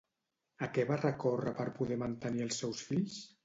A què va recórrer per poder mantenir als seus fills?